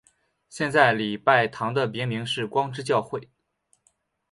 现在礼拜堂的别名是光之教会。